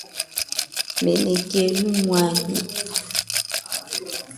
Menekenu mwanyi.